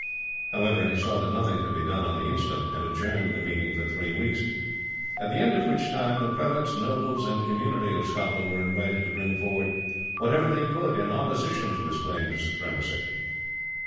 "However, he saw that nothing could be done on the instant, and adjourned the meeting for three weeks, at the end of which time the prelates, nobles, and community of Scotland were invited to bring forward whatever they could in opposition to his claim to supremacy.